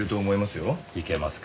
いけますか？